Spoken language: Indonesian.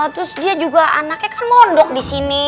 terus dia juga anaknya kan mondok di sini